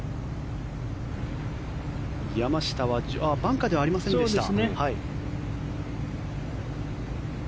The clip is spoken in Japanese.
山下はバンカーではありませんでした。